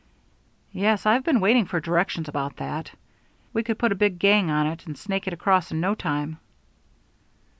"Yes, I've been waiting for directions about that. We can put a big gang on it, and snake it across in no time."